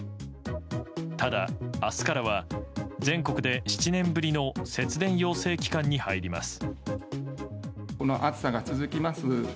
ただ、明日からは全国で７年ぶりの節電要請期間に入ります。